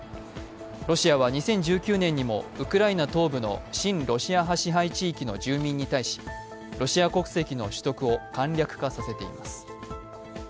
ロシアは２０１９年にもウクライナ東部の親ロシア派支配地域の住民に対し、ロシア国籍の取得を簡略化させています。